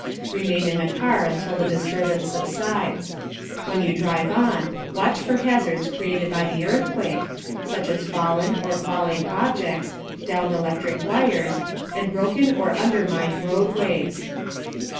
Remain in the car until the disturbance subsides. When you drive on, watch for hazards created by the earthquake, such as fallen or falling objects, downed electric wires, and broken or undermined roadways.